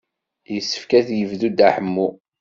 Yessefk ad yebdu Dda Ḥemmu.